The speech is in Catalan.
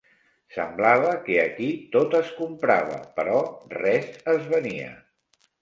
Semblava que aquí tot es comprava però res es venia.